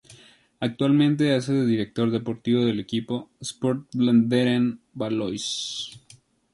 Actualmente hace de director deportivo del equipo Sport Vlaanderen-Baloise.